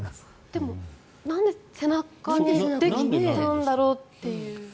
でも、なんで背中にできたんだろうっていう。